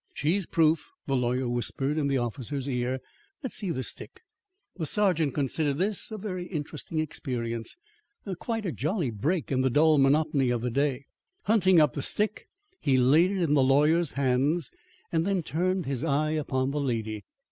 "She's proof," the lawyer whispered in the officer's ear. "Let's see the stick." The sergeant considered this a very interesting experience quite a jolly break in the dull monotony of the day. Hunting up the stick, he laid it in the lawyer's hands, and then turned his eye upon the lady.